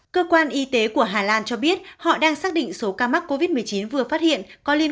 cơ quan y tế của hà lan cho biết họ đang xác định số ca mắc covid một mươi chín vừa phát hiện có liên